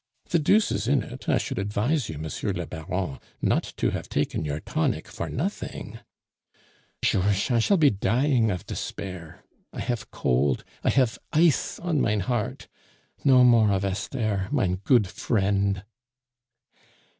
The deuce is in it, I should advise you, Monsieur le Baron, not to have taken your tonic for nothing " "Georches, I shall be dying of despair. I hafe cold I hafe ice on mein heart no more of Esther, my good friend."